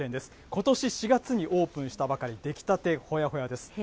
ことし４月にオープンしたばかり、出来たてほやほやです。